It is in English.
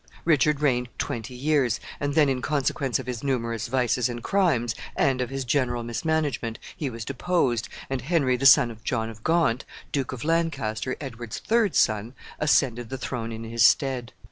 Richard reigned twenty years, and then, in consequence of his numerous vices and crimes, and of his general mismanagement, he was deposed, and Henry, the son of John of Gaunt, Duke of Lancaster, Edward's third son, ascended the throne in his stead.